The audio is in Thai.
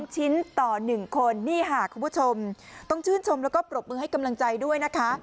๒ชิ้นต่อ๑คนนี่ค่ะคุณผู้ชมต้องชื่นชมแล้วก็ปรบมือให้กำลังใจด้วยนะคะ